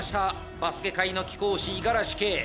バスケ界の貴公子五十嵐圭。